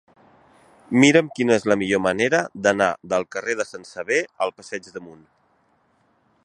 Mira'm quina és la millor manera d'anar del carrer de Sant Sever al passeig d'Amunt.